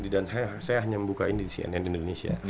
dan saya hanya membuka di cnn indonesia